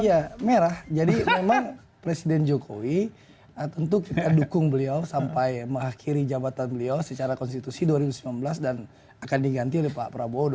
iya merah jadi memang presiden jokowi tentu kita dukung beliau sampai mengakhiri jabatan beliau secara terbaik